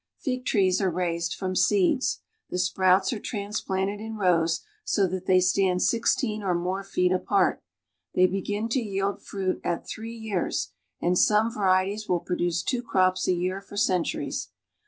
Fig trees are raised from seeds. The sprouts are trans planted in rows so that they stand sixteen or more feet apart. They begin to yield fruit at three years, and some varieties will produce two crops a year for centuries.